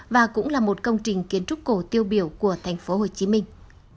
và cũng là một công trình kiến trúc cổ tiêu biểu của thành phố hồ chí minh